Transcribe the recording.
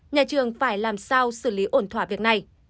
nhà trường phải làm sao xử lý ổn thỏa việc này